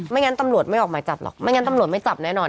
งั้นตำรวจไม่ออกหมายจับหรอกไม่งั้นตำรวจไม่จับแน่นอน